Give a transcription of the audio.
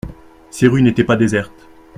Ces rues n'étaient pas désertes.